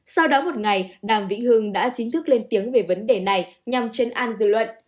sau đó một ngày đàm vĩnh hương đã chính thức lên tiếng về vấn đề này nhằm chấn an dư luận